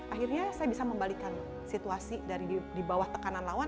akhirnya saya bisa membalikan situasi di bawah tekanan lawan